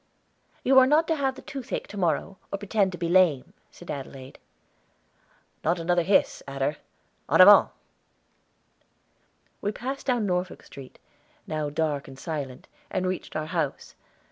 "You are not to have the toothache to morrow, or pretend to be lame," said Adelaide. "Not another hiss, Adder. En avant!" We passed down Norfolk Street, now dark and silent, and reached our house.